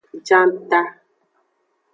Janta.